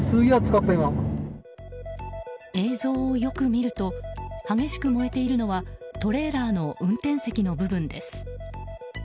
映像をよく見ると激しく燃えているのはトレーラーの運転席の部分です。